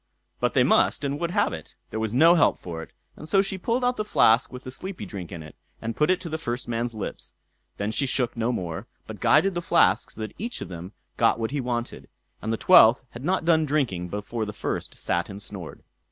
But they must and would have it; there was no help for it; and so she pulled out the flask with the sleepy drink in it, and put it to the first man's lips; then she shook no more, but guided the flask so that each of them got what he wanted, and the twelfth had not done drinking before the first sat and snored.